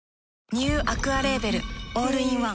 ニューアクアレーベルオールインワン